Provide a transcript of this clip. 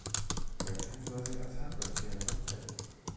Weiterhin war sie als Handballtrainerin tätig.